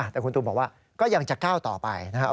แต่คุณตูมบอกว่าก็ยังจะก้าวต่อไปนะครับ